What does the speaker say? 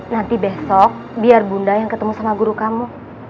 nanti besok biar bunda yang ketemu sama guru kamu